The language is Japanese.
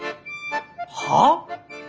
はあ！？